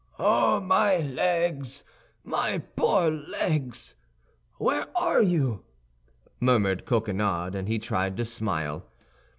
"Oh, my legs, my poor legs! where are you?" murmured Coquenard, and he tried to smile.